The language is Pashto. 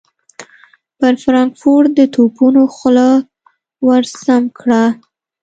پر فرانکفورټ د توپونو خوله ور سمهکړه.